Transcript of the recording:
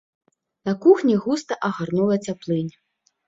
На кухні густа агарнула цяплынь.